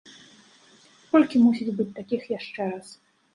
Колькі мусіць быць такіх яшчэ раз?